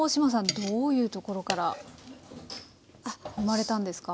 どういうところから生まれたんですか？